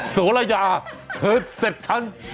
โสระยาเธอเสร็จฉัน